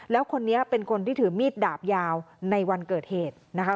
แล้วคนนี้เป็นคนที่ถือมีดดาบยาวในวันเกิดเหตุนะคะ